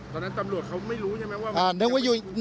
ตอนนั้นตำรวจเขาไม่รู้ใช่ไหมว่าอยู่